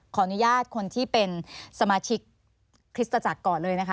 ขออนุญาตคนที่เป็นสมาชิกคริสตจักรก่อนเลยนะคะ